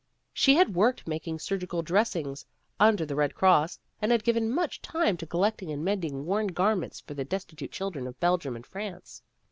She had worked making surgical dress ings under the Red Cross, and had given much time to collecting and mending worn garments for the destitute children of Belgium and France.